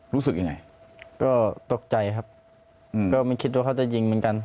รู้สึกยังไงก็ตกใจครับก็ไม่คิดว่าเขาจะยิงเหมือนกัน